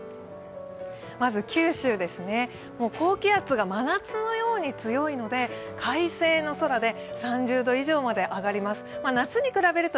まず九州、高気圧が真夏のように強いので快晴の空で３０度以上まで上がります。